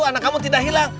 anak kamu tidak hilang